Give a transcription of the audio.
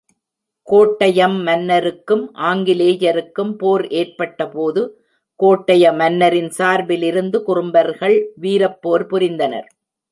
கோட்டையம் மன்னருக்கும் ஆங்கிலேயருக்கும் போர் ஏற்பட்ட போது, கோட்டைய மன்னரின் சார்பிலிருந்து குறும்பர்கள் வீரப்போர் புரிந்தனர்.